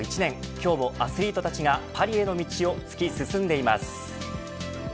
今日もアスリートたちがパリへの道を突き進んでいます。